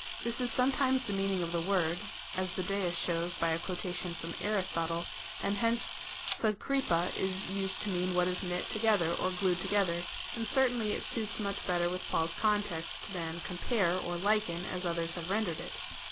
This is sometimes the meaning of the word,^ (as Budajus shows by a quotation from Aristotle,) and hence avyKpifxa is used to mean what is knit together or glued together, and certainly it suits much better with Paul's context than compare or liken, as others have rendered it.